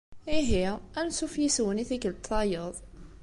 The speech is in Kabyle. Ihi, ansuf yis-wen i tikkelt tayeḍ!